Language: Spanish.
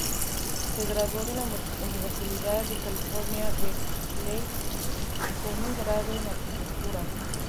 Se graduó de la Universidad de California, Berkeley con un grado en arquitectura.